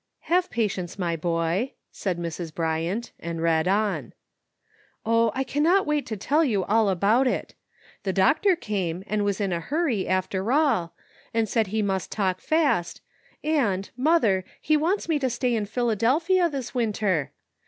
"Have patience, my boy," said Mrs. Bryant, and read on.] Oh! I cannot wait to tell you all about it. The doctor came, and was in a hurry, after all, and said he must talk fast and, mother, he wants me to stay in Philadelphia this winter!